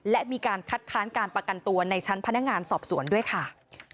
และมีการคัดค้านการประกันตัวในชั้นพนักงานสอบสวนด้วยค่ะ